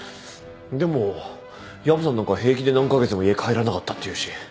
でも薮さんなんか平気で何カ月も家帰らなかったっていうし。